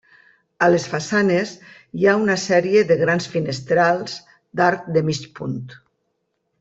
A les façanes hi ha una sèrie de grans finestrals d'arc de mig punt.